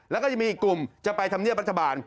แล้วก็ยังมีอีกกลุ่มจะไปทำเนียบรัฐบาล